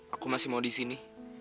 aku masih mau di sini